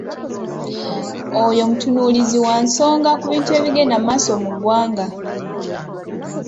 Oyo mutunuulizi wa nsonga ku bintu ebigenda mu maaso mu ggwanga.